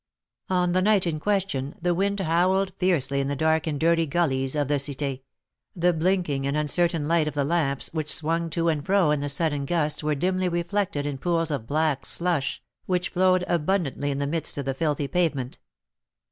On the night in question, the wind howled fiercely in the dark and dirty gullies of the Cité; the blinking and uncertain light of the lamps which swung to and fro in the sudden gusts were dimly reflected in pools of black slush, which flowed abundantly in the midst of the filthy pavement.